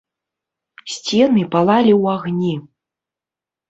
Сцены палалі ў агні.